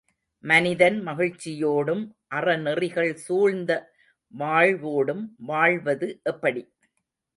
மனிதன் மகிழ்ச்சியோடும், அறநெறிகள் சூழ்ந்த வாழ்வோடும் வாழ்வது எப்படி?